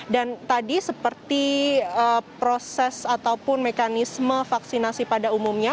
dan tadi seperti proses ataupun mekanisme vaksinasi pada umumnya